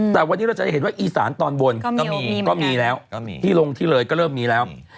แต่วันนี้เราจะเห็นว่าอีสานตอนบนก็มีก็มีแล้วที่ลงที่เลยก็เริ่มมีแล้ว